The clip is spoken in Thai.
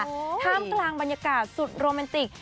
ท่ามกลางบรรยากาศสุดโรแมนติก